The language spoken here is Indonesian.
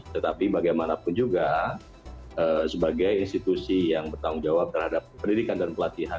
tetapi bagaimanapun juga sebagai institusi yang bertanggung jawab terhadap pendidikan dan pelatihan